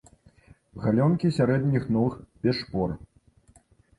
Галёнкі сярэдніх ног без шпор.